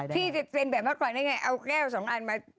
พี่จะเป็นแบบว่าเอาแก้วสองอันมา